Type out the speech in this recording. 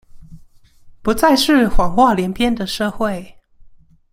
不再是謊話連篇的社會